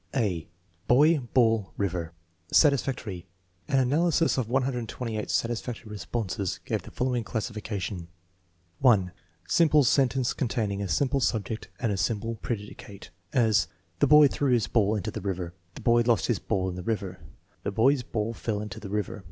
(a) Boy, ball, river Satisfactory. An analysis of 128 satisfactory responses gave the following classification: (1) Simple sentence containing a simple subject and a simple predicate; as: "The boy threw his ball into the river." "The boy lost his ball in the river.*' "The boy's ball fell into the river."